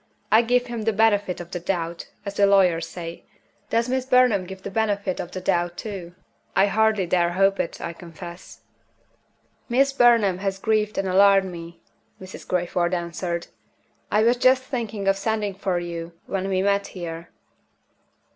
I give him the benefit of the doubt, as the lawyers say. Does Miss Burnham give him the benefit of the doubt too? I hardly dare hope it, I confess." "Miss Burnham has grieved and alarmed me," Mrs. Crayford answered. "I was just thinking of sending for you when we met here."